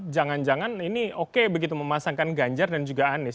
jangan jangan ini oke begitu memasangkan ganjar dan juga anies